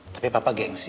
tapi papa gengsi